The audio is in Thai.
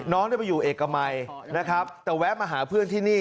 น้องได้ไปอยู่เอกมัยแต่แวะมาหาเพื่อนที่นี่